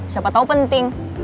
siapa tau penting